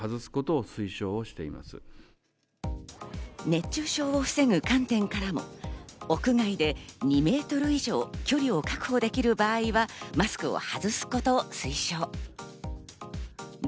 熱中症を防ぐ観点からも屋外で２メートル以上距離を確保できる場合は、マスクを外すことを推奨。